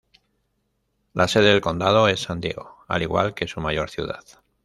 La sede del condado es San Diego, al igual que su mayor ciudad.